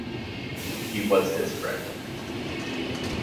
He was his friend.